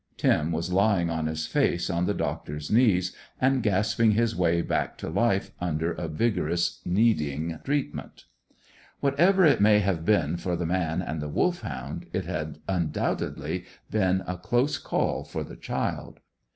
Tim was lying on his face on the doctor's knees, and gasping his way back to life under a vigorous kneading treatment. Whatever it may have been for the man and the Wolfhound, it had undoubtedly been a close call for the child.